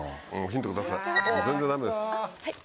ヒントください